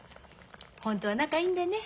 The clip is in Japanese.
ホントは仲いいんだね。